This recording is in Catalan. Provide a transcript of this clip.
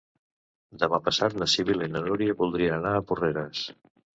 Demà passat na Sibil·la i na Núria voldrien anar a Porreres.